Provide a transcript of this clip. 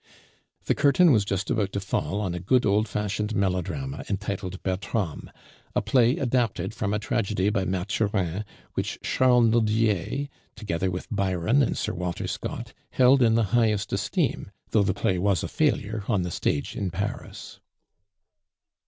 The curtain was just about to fall on a good old fashioned melodrama entitled Bertram, a play adapted from a tragedy by Maturin which Charles Nodier, together with Byron and Sir Walter Scott, held in the highest esteem, though the play was a failure on the stage in Paris.